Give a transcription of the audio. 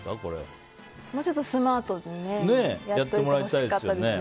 もうちょっとスマートにやってほしかったですね。